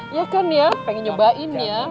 ya kan ya pengen nyobain ya